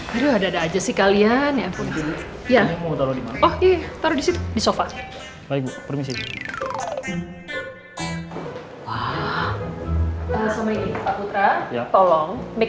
ya udah ada aja sih kalian ya ya oh iya taruh di situ di sofa permisi